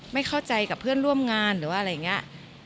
ไม่เข้าใจกับเพื่อนร่วมงานหรือว่าอะไรอย่างนี้